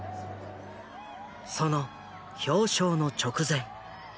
その表彰の直前。